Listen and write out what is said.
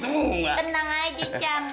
tenang aja cang